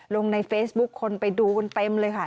ลงในเฟซบุ๊คคนไปดูกันเต็มเลยค่ะ